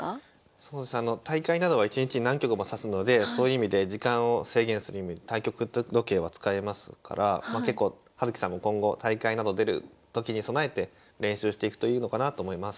そうですね大会などは一日に何局も指すのでそういう意味で時間を制限する意味で対局時計は使いますから結構葉月さんも今後大会など出るときに備えて練習していくといいのかなと思います。